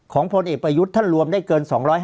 ของพลเอปยุทธ์ถ้ารวมได้เกิน๒๕๑